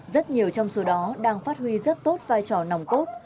rất nhiều trong số đó đang phát huy rất tốt vai trò nòng cốt